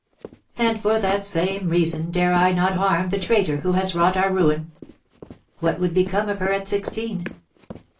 "And for that same reason dare I not harm the traitor who has wrought our ruin. What would become of her at sixteen?